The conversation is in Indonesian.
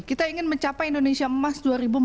kita ingin mencapai indonesia emas dua ribu empat puluh